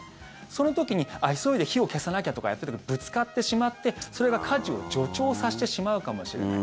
その時に急いで火を消さなきゃとかやっててぶつかってしまってそれが火事を助長させてしまうかもしれない。